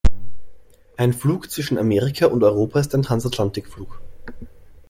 Ein Flug zwischen Amerika und Europa ist ein Transatlantikflug.